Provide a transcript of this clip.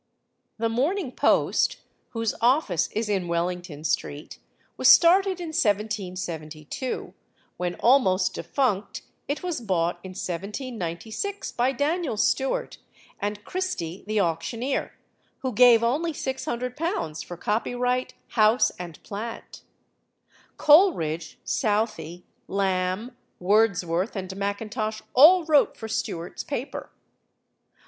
The Morning Post, whose office is in Wellington Street, was started in 1772; when almost defunct it was bought in 1796 by Daniel Stuart, and Christie the auctioneer, who gave only £600 for copyright, house, and plant. Coleridge, Southey, Lamb, Wordsworth, and Mackintosh all wrote for Stuart's paper.